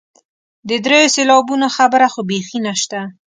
د دریو سېلابونو خبره خو بیخي نشته.